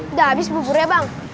udah habis buburnya bang